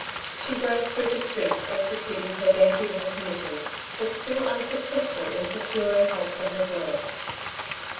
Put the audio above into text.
She drove through the streets, executing her dainty little commissions ; but still unsuccessful in procuring help for her work.